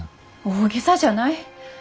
大げさじゃない。